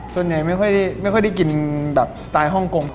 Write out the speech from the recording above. ส่วนใหญ่ไม่ค่อยได้กินแบบสไตล์ฮ่องกง